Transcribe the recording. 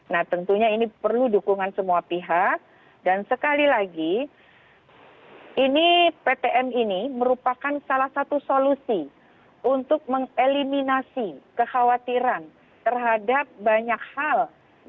nah tentunya ini perlu dukungan semua pihak dan sekali lagi ini ptm ini merupakan salah satu solusi untuk mengeliminasi kekhawatiran terhadap banyak hal